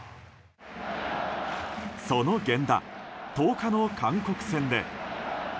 その源田、１０日の韓国戦で。